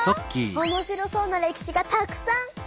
おもしろそうな歴史がたくさん！